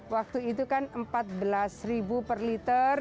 waktu itu kan empat belas ribu per liter